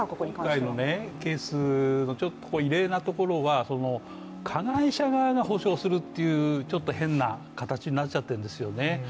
今回のケース、ちょっと異例なところは加害者側が補償するというちょっと変な形になっちゃっているんですね。